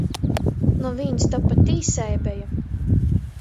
Nu vīns to pa tīsai beja!